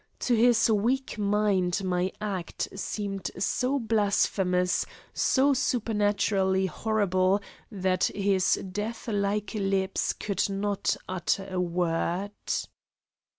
To his weak mind my act seemed so blasphemous, so supernaturally horrible, that his deathlike lips could not utter a word.